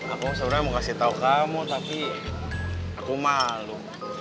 aku sebenernya mau kasih tau kamu tapi aku malu